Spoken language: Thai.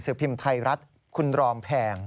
พิมพ์ไทยรัฐคุณรอมแพง